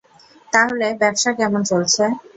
তাহলে, ব্যবসা কেমন চলছে?